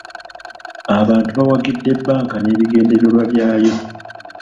Abantu bawagidde bbanka n'ebigendererwa byayo .